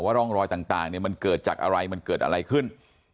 ร่องรอยต่างมันเกิดจากอะไรมันเกิดอะไรขึ้น